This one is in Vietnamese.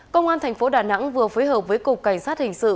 công an thành phố đà nẵng vừa phối hợp với cục cảnh sát hình sự